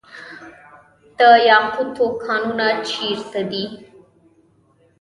د یاقوتو کانونه چیرته دي؟